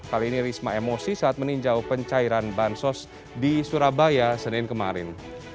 kali ini risma emosi saat meninjau pencairan bansos di surabaya senin kemarin